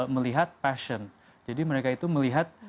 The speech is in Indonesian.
melihat passion jadi mereka itu melihat